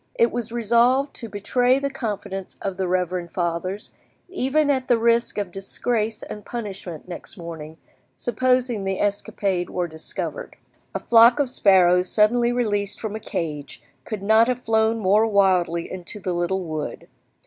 It was resolved to betray the confidence of the reverend fathers, even at the risk of disgrace and punishment next morning, supposing the escapade were discovered. A flock of sparrows suddenly released from a cage could not have flown more wildly into the little wood.